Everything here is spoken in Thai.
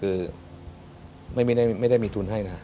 คือไม่ได้มีทุนให้นะ